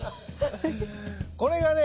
これがね